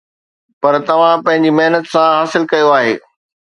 پر توهان پنهنجي محنت سان حاصل ڪيو آهي